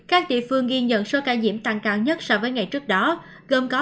các địa phương ghi nhận số ca nhiễm giảm nhiều nhất so với ngày trước đó gồm có